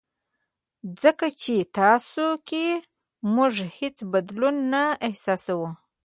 ځکه په تاسو کې موږ هېڅ بدلون نه احساسوو.